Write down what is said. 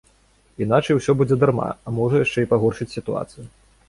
Іначай усё будзе дарма, а можа, яшчэ і пагоршыць сітуацыю.